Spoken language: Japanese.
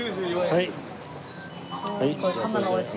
はい。